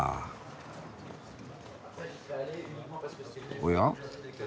おや？